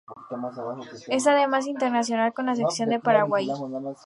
Es además internacional con la selección de Paraguay.